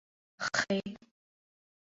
خ